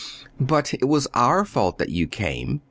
"But it was our fault that you came.